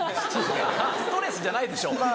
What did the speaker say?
・ストレスじゃないでしょ・まぁ。